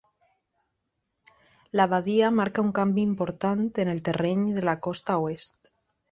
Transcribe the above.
La badia marca un canvi important en el terreny de la costa oest.